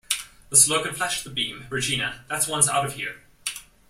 The slogan Flash the beam, Regina - that one's out of here!